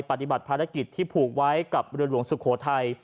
ปฏิบัติภารกิจที่ผูกไว้กับเรือหลวงสุโขทัย